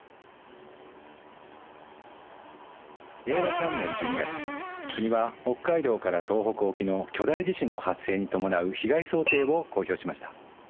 令和３年１２月国は北海道から東北沖の巨大地震の発生に伴う被害想定を公表しました。